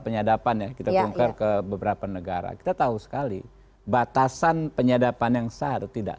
penyadapan ya kita bongkar ke beberapa negara kita tahu sekali batasan penyadapan yang sah atau tidak